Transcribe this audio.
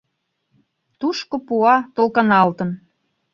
Тушко пуа, толкыналтын.